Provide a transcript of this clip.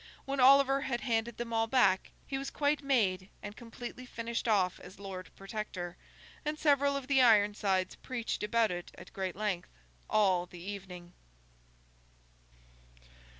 When Oliver had handed them all back, he was quite made and completely finished off as Lord Protector; and several of the Ironsides preached about it at great length, all the evening.